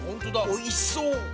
おいしそう。